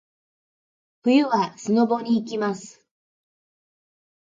冬はスノボに行きます。